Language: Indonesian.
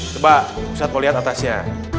coba ustadz mau lihat atasnya